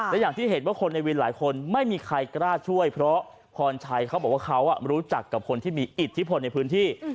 และอย่างที่เห็นว่าคนในวินหลายคนไม่มีใครกล้าช่วยเพราะพรชัยเขาบอกว่าเขารู้จักกับคนที่มีอิทธิพลในพื้นที่